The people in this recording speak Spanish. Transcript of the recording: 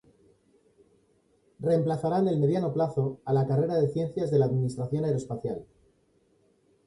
Reemplazará en el mediano plazo a la carrera de Ciencias de la Administración Aeroespacial.